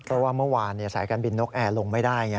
เพราะว่าเมื่อวานสายการบินนกแอร์ลงไม่ได้ไง